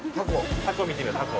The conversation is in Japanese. タコ見てみようタコ。